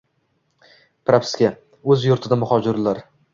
Propiska: o‘z yurtida muhojirlar